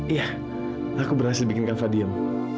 iya aku berhasil bikin kava diam